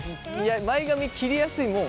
前髪切りやすいもん？